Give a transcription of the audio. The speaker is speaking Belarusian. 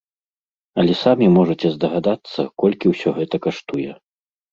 Але самі можаце здагадацца, колькі ўсё гэта каштуе.